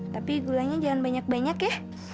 tapi gulanya jangan banyak banyak ya